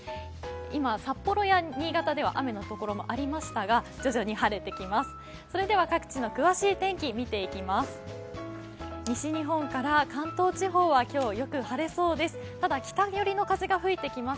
今、札幌や新潟では雨のところもありましたが徐々に晴れてきます。